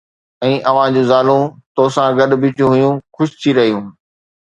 ۽ اوھان جون زالون توسان گڏ بيٺيون ھيون، خوش ٿي رھيون